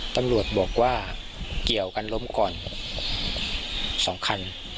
ตำรวจบอกว่าเกี่ยวกันล้มก่อน๒คัน